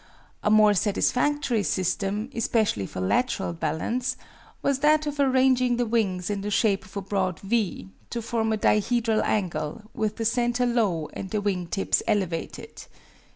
A more satisfactory system, especially for lateral balance, was that of arranging the wings in the shape of a broad V, to form a dihedral angle, with the center low and the wing tips elevated.